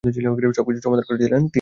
সব কিছুর সমাধান করেছিলেন তিনি।